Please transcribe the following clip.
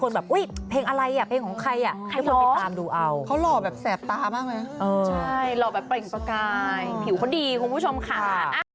เราก็คิดอย่างนี้ไง